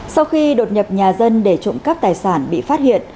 sau khi đột nhập nhà dân để trộm cắp tài sản bị phát hiện